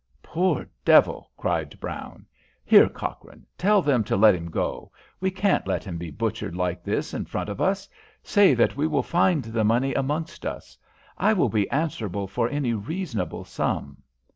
"Poor devil!" cried Brown. "Here, Cochrane, tell them to let him go. We can't let him be butchered like this in front of us. Say that we will find the money amongst us. I will be answerable for any reasonable sum."